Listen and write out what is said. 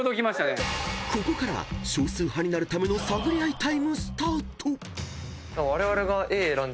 ［ここから少数派になるための探り合いタイムスタート］